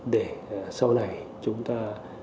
để sau này chúng ta